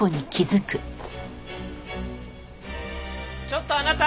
ちょっとあなた！